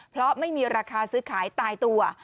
เพราะไม่มีราคาซื้อขายตายตัว